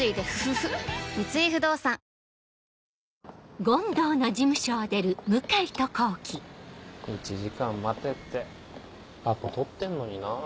三井不動産１時間待てってアポ取ってんのになぁ。